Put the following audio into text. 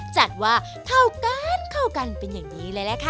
จัดว่าเท่ากันเข้ากันเป็นอย่างดีเลยล่ะค่ะ